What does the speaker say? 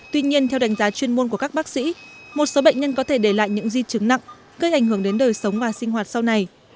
tuy nhiên theo đánh giá chuyên môn của các bác sĩ một số bệnh nhân có thể để lại những di chứng nặng gây ảnh hưởng đến đời sống và sinh hoạt sau này